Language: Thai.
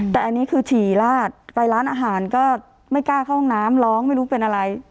แต่อันนี้คือฉี่ลาดไปร้านอาหารก็ไม่กล้าเข้าห้องน้ำร้องไม่รู้เป็นอะไร